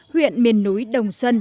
huyện miền núi đồng xuân